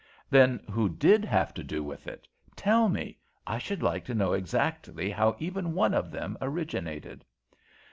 "Then who did have to do with it? Tell me; I should like to know exactly how even one of them originated."